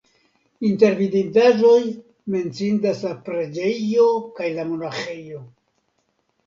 Inter vidindaĵoj menciindas la preĝejo kaj la monaĥejo.